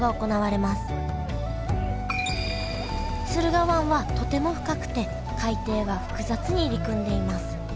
駿河湾はとても深くて海底は複雑に入り組んでいます。